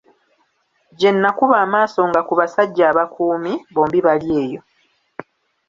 Gye nakuba amaaso nga ku basajja abakuumi, bombi bali eyo.